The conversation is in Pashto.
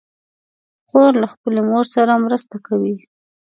خور له خپلې مور سره مرسته کوي.